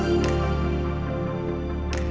benu saya punya muda gak